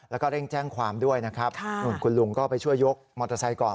แล้วก็เร่งแจ้งความด้วยนะครับคุณลุงก็ไปช่วยยกมอเตอร์ไซค์ก่อน